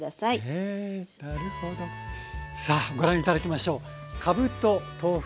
さあご覧頂きましょう。